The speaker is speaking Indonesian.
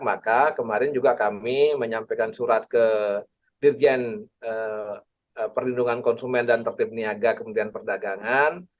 maka kemarin juga kami menyampaikan surat ke dirjen perlindungan konsumen dan tertib niaga kementerian perdagangan